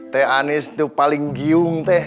teh anies tuh paling giung teh